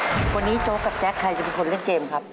วันนี้โจ๊กกับแจ๊คใครจะเป็นคนเล่นเกมครับ